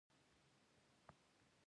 کاناډا د سړک جوړولو شرکتونه لري.